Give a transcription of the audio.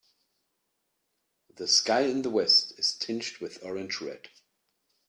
The sky in the west is tinged with orange red.